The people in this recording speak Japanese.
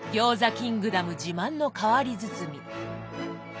キングダム自慢の変わり包み。